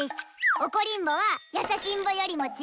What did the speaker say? おこりんぼはやさしんぼよりも強いです！